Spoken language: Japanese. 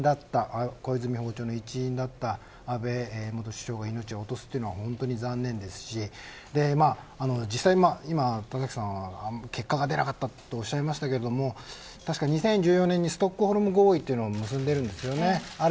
そんな中であの一員だった小泉訪朝の一員だった安倍元首相が命を落とすということは本当に残念ですし田崎さんは結果が出なかったとおっしゃいましたが２０１４年にストックホルム合意を結んでいるんです。